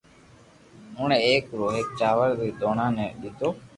اوڻي او ايڪ او ايڪ چاور ري دوڻا ني ليدو